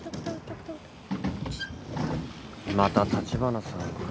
また立花さんか。